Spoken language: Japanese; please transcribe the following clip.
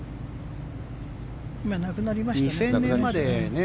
今、なくなりましたよね。